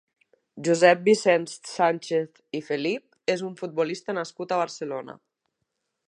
Josep Vicenç Sànchez i Felip és un futbolista nascut a Barcelona.